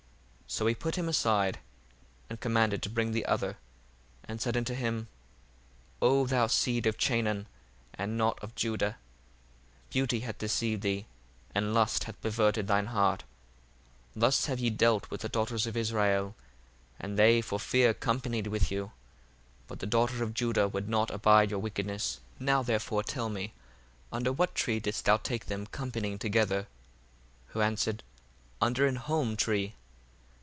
1:56 So he put him aside, and commanded to bring the other, and said unto him, O thou seed of Chanaan, and not of Juda, beauty hath deceived thee, and lust hath perverted thine heart. 1:57 Thus have ye dealt with the daughters of Israel, and they for fear companied with you: but the daughter of Juda would not abide your wickedness. 1:58 Now therefore tell me, Under what tree didst thou take them companying together? Who answered, Under an holm tree.